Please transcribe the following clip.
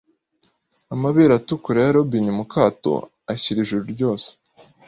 Amabere atukura ya Robin mu kato ashyira Ijuru ryose